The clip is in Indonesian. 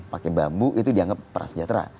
pakai bambu itu dianggap peras sejahtera